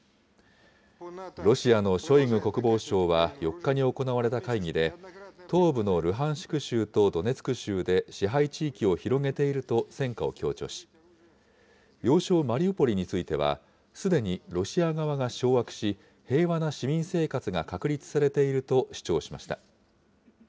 ロシアのショイグ国防相は４日に行われた会議で、東部のルハンシク州とドネツク州で支配地域を広げていると戦果を強調し、要衝マリウポリについては、すでにロシア側が掌握し、平和な市民生活が確立されていると主張しました。